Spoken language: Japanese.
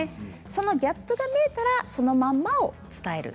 そのギャップが見えたらそのままを伝える。